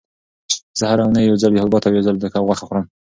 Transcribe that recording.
زه هره اونۍ یو ځل حبوبات او یو ځل د کب غوښه خورم.